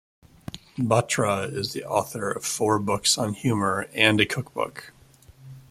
Batra is the author of four books on humor and a cook book.